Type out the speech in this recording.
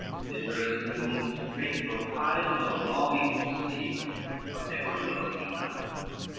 Thither assembled straight both high and low, Longing to see what they were loth to know.